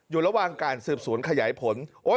อยู่ระหว่างการสืบสวนขยายผล